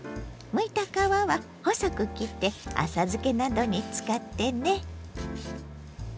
むいた皮は細く切って浅漬けなどに使ってね。